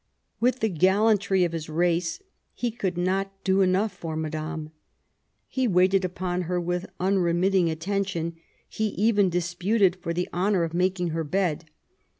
With the gallantry of his race he could not do enough for Madame. He waited upon her with unremitting attention ; he even disputed for the honour of making her bed.